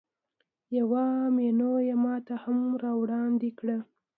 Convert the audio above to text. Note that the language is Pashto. یوه مینو یې ماته هم راوړاندې کړه.